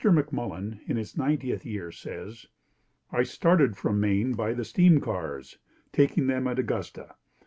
McMullen, in his ninetieth year says I started from Maine by the steam cars, taking them at Augusta.